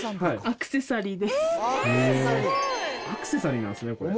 アクセサリーなんですねこれ。